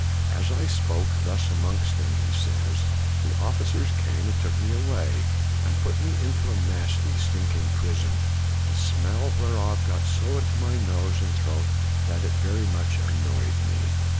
" As I spake thus amongst them," he says, " the officers came and took me away, and put me into a nasty, stinking prison, the smell whereof got so into my nose and throat that it very much annoyed me.''